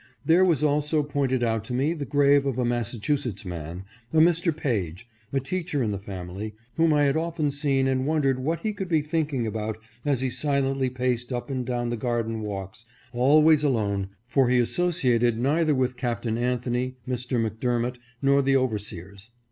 There was also pointed out to me the grave of a Massachusetts man, a Mr. Page, a teacher in the family, whom I had often seen and won dered what he could be thinking about as he silently paced up and down the garden walks, always alone, for he associated neither with Captain Anthony, Mr. McDer mot, nor the overseers.